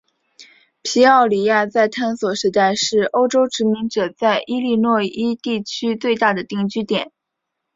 皮奥里亚在探索时代是欧洲殖民者在伊利诺伊地区最大的定居点。